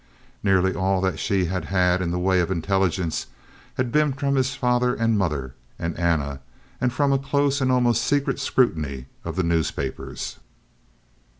Nearly all that she had had in the way of intelligence had been from his father and mother and Anna, and from a close and almost secret scrutiny of the newspapers.